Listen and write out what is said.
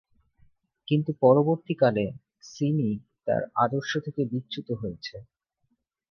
কিন্তু পরবর্তী কালে সিমি তার আদর্শ থেকে বিচ্যুত হয়েছে।